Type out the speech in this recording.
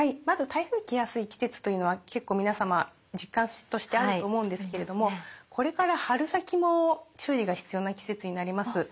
まず台風来やすい季節というのは結構皆様実感としてあると思うんですけれどもこれから春先も注意が必要な季節になります。